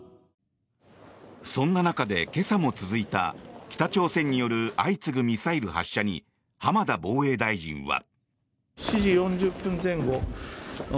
そんな中で今朝も続いた北朝鮮による相次ぐミサイル発射に浜田防衛大臣は。